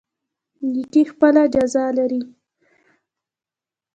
نیکي خپله جزا لري